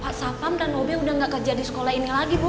pak sapam dan obe udah gak kerja di sekolah ini lagi bu